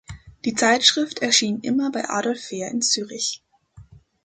Die Zeitschrift erschien immer bei Adolf Fehr in Zürich.